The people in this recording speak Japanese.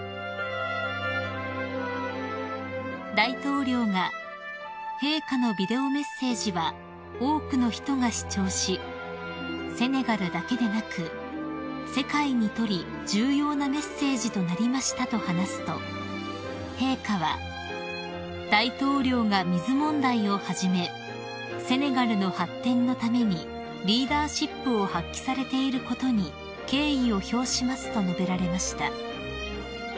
［大統領が「陛下のビデオメッセージは多くの人が視聴しセネガルだけでなく世界にとり重要なメッセージとなりました」と話すと陛下は「大統領が水問題をはじめセネガルの発展のためにリーダーシップを発揮されていることに敬意を表します」と述べられました］